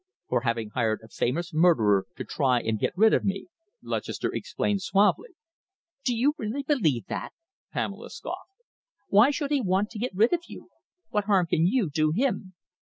"For having hired a famous murderer to try and get rid of me." Lutchester explained suavely. "Do you really believe that?" Pamela scoffed. "Why should he want to get rid of you? What harm can you do him?"